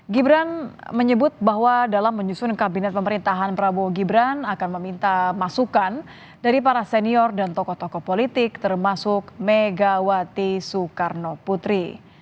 gibran menyebut bahwa dalam menyusun kabinet pemerintahan prabowo gibran akan meminta masukan dari para senior dan tokoh tokoh politik termasuk megawati soekarno putri